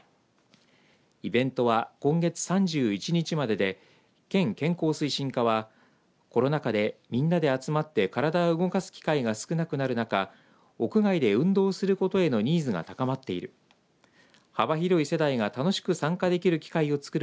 イベントは今月３１日までで県健康推進課はコロナ禍で、みんなで集まって体を動かす機会が少なくなる中屋外で運動することへのニーズが高まっている。